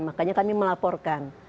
makanya kami melaporkan